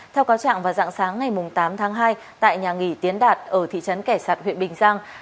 theo cáo trạng vào dạng sáng ngày tám tháng hai tại nhà nghỉ tiến đạt ở thị trấn kẻ sạt huyện bình giang